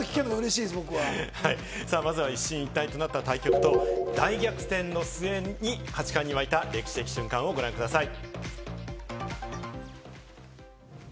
まずは一進一退となった対局と大逆転の末に八冠に沸いた歴史的瞬間をご覧ください。